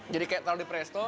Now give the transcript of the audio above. jadi seperti terlalu di presto